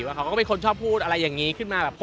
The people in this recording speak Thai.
เขาก็เป็นคนชอบพูดอะไรอย่างนี้ขึ้นมาแบบ